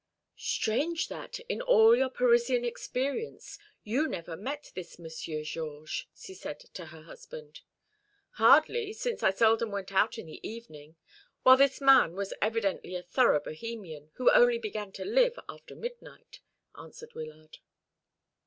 "Strange that, in all your Parisian experience, you never met this Monsieur Georges," she said to her husband. "Hardly, since I seldom went out in the evening; while this man was evidently a thorough Bohemian, who only began to live after midnight," answered Wyllard.